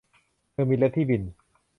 เธอมีเล็บที่บิ่น